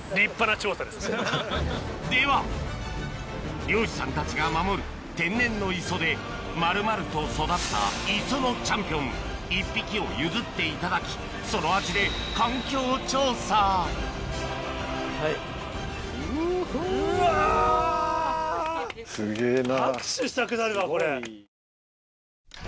では漁師さんたちが守る天然の磯で丸々と育った磯のチャンピオン１匹を譲っていただきそのすげぇな。